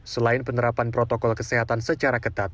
selain penerapan protokol kesehatan secara ketat